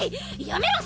やめろ！